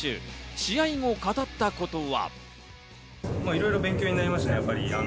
試合後、語ったことは。